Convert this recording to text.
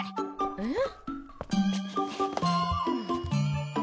えっ？